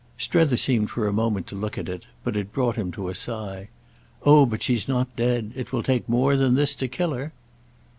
Strether seemed for a moment to look at it; but it brought him to a sigh. "Oh but she's not dead! It will take more than this to kill her."